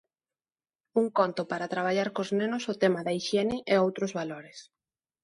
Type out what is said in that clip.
Un conto para traballar cos nenos o tema da hixiene e outros valores.